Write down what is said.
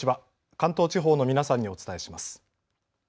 関東地方の皆さんにお伝えします。